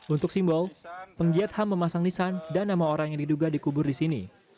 untuk simbol penggiat ham memasang nisan dan nama orang yang diduga dikubur di sini